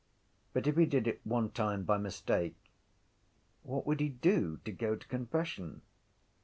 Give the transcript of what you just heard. But if he did it one time by mistake what would he do to go to confession?